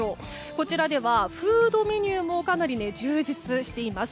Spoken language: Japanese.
こちらではフードメニューもかなり充実しています。